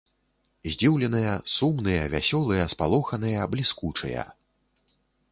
Здзіўленыя, сумныя, вясёлыя, спалоханыя, бліскучыя.